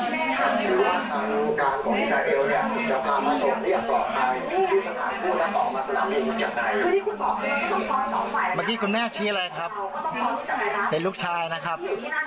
เมื่อกี้คุณแม่ชี้อะไรครับเห็นลูกชายนะครับ